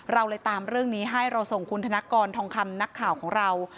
เราเลยตามเรื่องนี้ให้เราส่งคุณธนกรทองคำนักข่าวของเรา